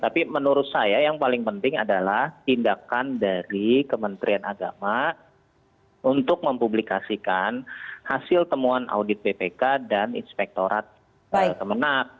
tapi menurut saya yang paling penting adalah tindakan dari kementerian agama untuk mempublikasikan hasil temuan audit bpk dan inspektorat kemenang